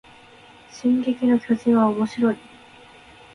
進撃の巨人はおもしろい